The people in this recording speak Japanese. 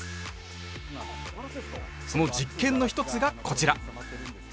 その実験の一つがこちら。